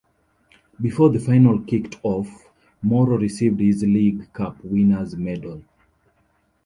Before the final kicked off, Morrow received his League Cup winners' medal.